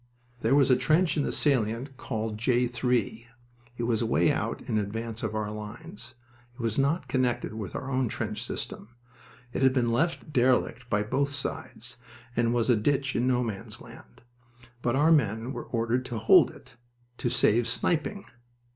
There was a trench in the salient called J. 3. It was away out in advance of our lines. It was not connected with our own trench system. It had been left derelict by both sides and was a ditch in No Man's Land. But our men were ordered to hold it "to save sniping."